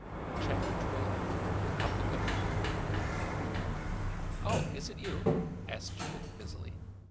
CHAPTER XII HOW THE GOVERNOR ARRIVED "Oh; is it you?" asked Judith busily.